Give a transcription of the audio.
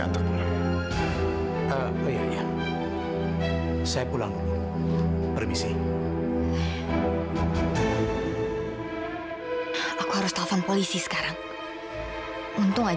tapi asal kamu tahu tan